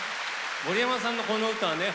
森山さんのこの歌はね